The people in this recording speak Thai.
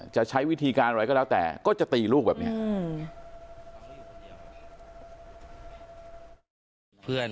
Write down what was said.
จะใช้วิธีการอะไรก็แล้วแต่ก็จะตีลูกแบบนี้